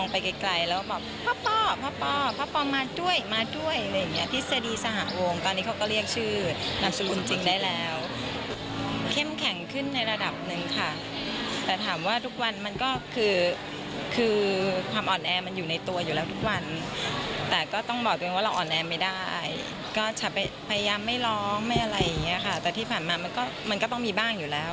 พยายามไม่ร้องไม่อะไรอย่างนี้ค่ะแต่ที่ผ่านมามันก็ต้องมีบ้างอยู่แล้ว